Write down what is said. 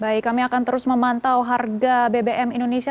baik kami akan terus memantau harga bbm indonesia